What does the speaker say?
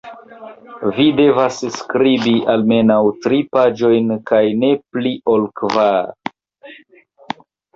Vi devas skribi almenaŭ tri paĝojn kaj ne pli ol kvar.